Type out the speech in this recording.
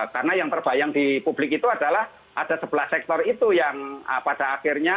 karena yang terbayang di publik itu adalah ada sebelah sektor itu yang pada akhirnya